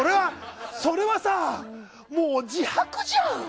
それはさ、もう自白じゃん！